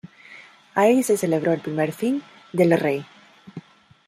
Ahí se celebró el primer thing del rey.